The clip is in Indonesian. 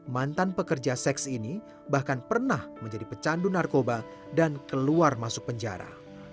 mantan pekerja seks ini bahkan pernah menjadi pecandu narkoba dan keluar masuk penjara